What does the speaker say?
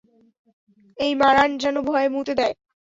এই, মারান যেন ভয়ে মুতে দেয়।